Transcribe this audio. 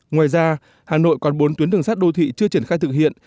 ngoài ra hà nội còn bốn tuyến đường sắt đô thị chưa triển khai thực hiện